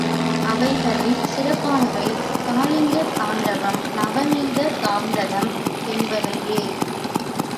அவைகளில் சிறப்பானவை காளிங்க தாண்டவம், நவநீத தாண்டலம் என்பவையே.